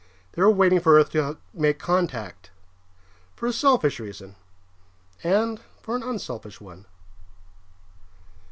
They were waiting for Earth to make contact, for a selfish reason and for an unselfish one.